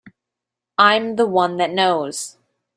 I'm the one that knows.